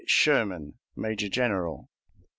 SHERMAN, Major General.